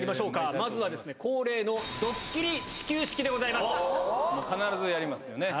まずは恒必ずやりますよね。